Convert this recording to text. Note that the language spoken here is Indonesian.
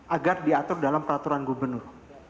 agar diatur dalam peraturan gubernur